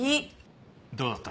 どうだった？